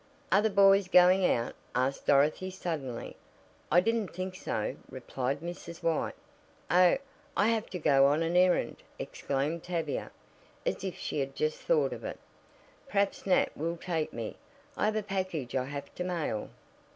"Are the boys going out?" asked Dorothy suddenly. "I didn't think so," replied Mrs. White. "Oh, I have to go on an errand!" exclaimed Tavia, as if she had just thought of it. "Perhaps Nat will take me. I have a package I have to mail."